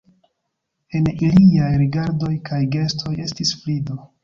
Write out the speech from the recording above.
En iliaj rigardoj kaj gestoj estis frido.